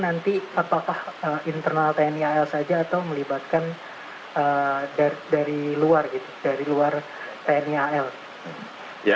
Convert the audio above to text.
apakah internal tni al saja atau melibatkan dari luar tni al